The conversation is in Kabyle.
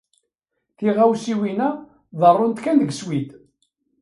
Tiɣawsiwin-a ḍerrunt kan deg Swid.